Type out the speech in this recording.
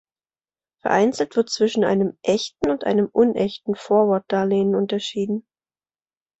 Vereinzelt wird zwischen einem "echten" und einem "unechten" Forward-Darlehen unterschieden.